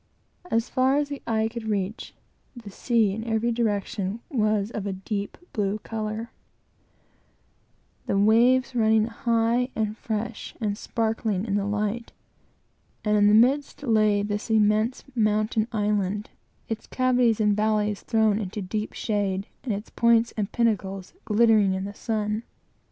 As far as the eye could reach, the sea in every direction was of a deep blue color, the waves running high and fresh, and sparkling in the light, and in the midst lay this immense mountain island, its cavities and valleys thrown into deep shade, and its points and pinnacles glittering in the sun.